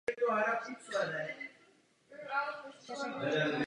Konflikt vyústil až v pozastavení činnosti na dva roky než mohla reprezentovat jinou zemi.